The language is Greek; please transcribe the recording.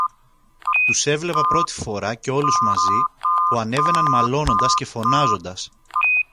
Τους έβλεπα πρώτη φορά και όλους μαζί, που ανέβαιναν μαλώνοντας και φωνάζοντας